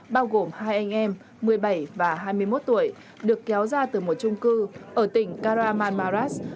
bao gồm hai anh em một mươi bảy và hai mươi một tuổi được kéo ra từ một trung cư ở tỉnh karahman maras